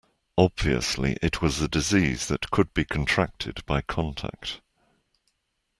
Obviously, it was a disease that could be contracted by contact.